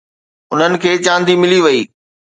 انهن کي چاندي ملي وئي.